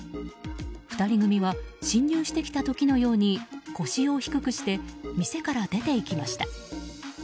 ２人組は侵入してきた時のように腰を低くして店から出て行きました。